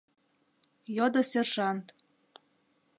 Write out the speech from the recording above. — йодо сержант.